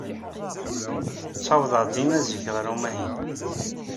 Ttawḍeɣ dima zik ɣer umahil.